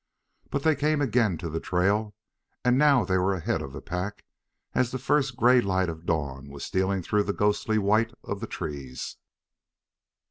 But they came again to the trail, and now they were ahead of the pack, as the first gray light of dawn was stealing through the ghostly white of the trees.